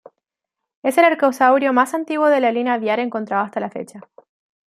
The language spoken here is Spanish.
Es el arcosaurio más antiguo de la línea aviar encontrado hasta la fecha.